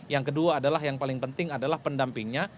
yang kedua adalah yang paling penting adalah pendampingnya